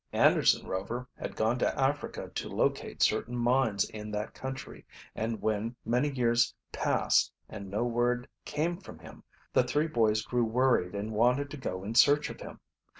Anderson Rover had gone to Africa to locate certain mines in that country, and when many years passed and no word came from him the three boys grew worried and wanted to go in search of him.